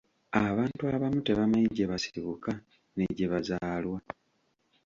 Abaana abamu tebamanyi gye basibuka ne gye bazaalwa.